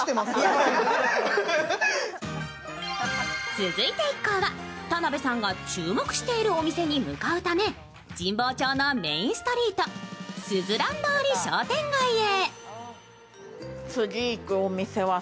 続いて一行は、田辺さんが注目しているお店に向かうため、神保町のメインストリート、すずらん通り商店街へ。